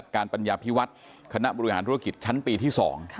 การปัญญาพิวัฒน์คณะบริหารธุรกิจชั้นปีที่๒